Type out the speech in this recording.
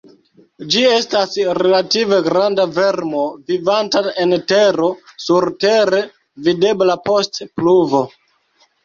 Ĝi estas relative granda vermo vivanta en tero, surtere videbla post pluvo.